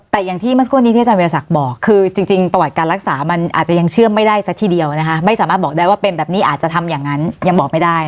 แต่อย่างที่เมื่อสักครู่นี้ที่อาจารวิทยาศักดิ์บอกคือจริงประวัติการรักษามันอาจจะยังเชื่อมไม่ได้ซะทีเดียวนะคะไม่สามารถบอกได้ว่าเป็นแบบนี้อาจจะทำอย่างนั้นยังบอกไม่ได้